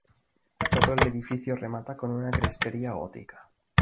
Todo el edificio remata con una crestería gótica.